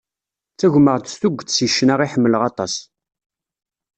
Ttagmeɣ-d s tuget seg ccna i ḥemmleɣ aṭas.